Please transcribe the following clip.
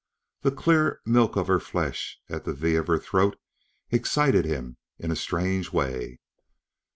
The clear milk of her flesh, at the "V" of her throat excited him in a strange way.